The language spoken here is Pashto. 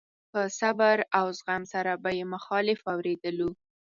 په صبر او زغم سره به يې مخالف اورېدلو.